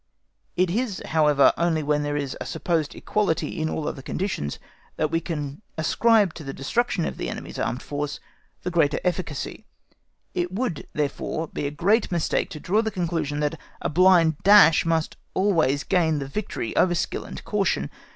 It is, however, only when there is a supposed equality in all other conditions that we can ascribe to the destruction of the enemy's armed force the greater efficacy. It would, therefore, be a great mistake to draw the conclusion that a blind dash must always gain the victory over skill and caution.